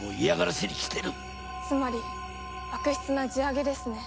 つまり悪質な地上げですね？